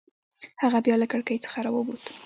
هغه بیا له کړکۍ څخه راووت.